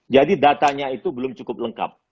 jadi datanya itu belum cukup lengkap